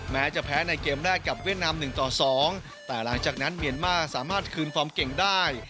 แม้จะแพ้ในเกมแรกกับเวียดนาม๑ต่อ๒แต่หลังจากนั้นเมียนมาร์สามารถคืนฟอร์มเก่งได้